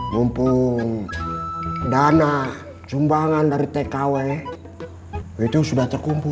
mumpung dana sumbangan dari tkw itu sudah terkumpul